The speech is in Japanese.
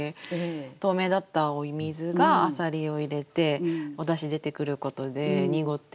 透明だったお水が浅蜊を入れておだし出てくることで濁っていく。